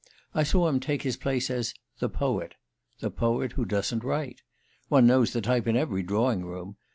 I saw him take his place as 'the poet': the poet who doesn't write. One knows the type in every drawing room.